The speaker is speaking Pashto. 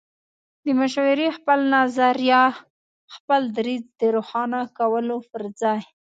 د مشورې، خپل نظر يا خپل دريځ د روښانه کولو پر ځای